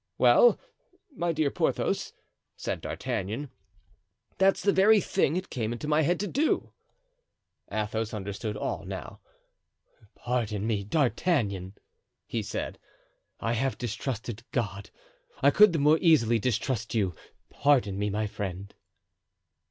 "Well, my dear Porthos," said D'Artagnan, "that's the very thing it came into my head to do." Athos understood all now. "Pardon me, D'Artagnan," he said. "I have distrusted God; I could the more easily distrust you. Pardon me, my friend."